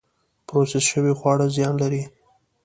پروسس شوي خواړه زیان لري